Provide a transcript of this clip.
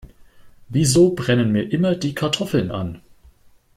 Wieso brennen mir immer die Kartoffeln an?